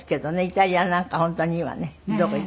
イタリアなんか本当にいいわねどこ行っても。